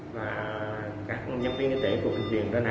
và các nhân viên y tế của bệnh viện đà nẵng